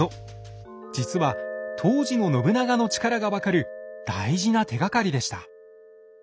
実は当時の信長の力が分かる大事な手がかりでした。